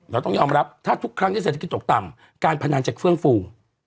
เราต้องยอมรับถ้าทุกครั้งที่เศรษฐกิจตกต่ำการพนันจากเฟื่องฟู